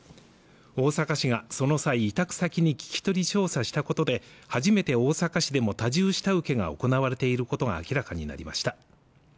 大阪市がその際委託先に聞き取り調査したことで初めて大阪市でも多重下請けが行われていることが明らかになりました